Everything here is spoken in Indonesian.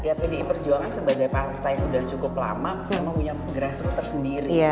ya pdi perjuangan sebagai partai yang udah cukup lama memang punya pegeras rute tersendiri